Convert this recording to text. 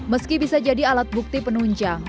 meski bisa jadi alat bukti penunjang